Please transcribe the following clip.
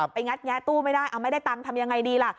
งัดแงะตู้ไม่ได้เอาไม่ได้ตังค์ทำยังไงดีล่ะ